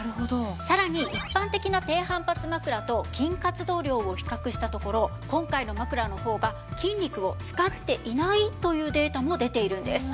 さらに一般的な低反発枕と筋活動量を比較したところ今回の枕の方が筋肉を使っていないというデータも出ているんです。